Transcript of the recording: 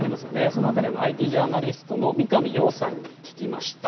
その辺りをＩＴジャーナリストの三上洋さんに聞きました。